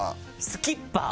「スキッパー」。